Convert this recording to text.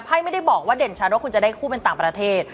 ไม่ได้บอกว่าเด่นชัดว่าคุณจะได้คู่เป็นต่างประเทศ